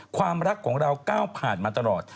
ความรักของเราก้าวผ่านมาตลอด